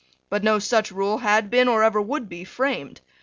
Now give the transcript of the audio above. But no such rule had even been, or ever would be, framed.